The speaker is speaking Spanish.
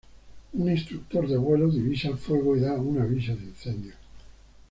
Un instructor de vuelo divisa el fuego y da un aviso de incendio.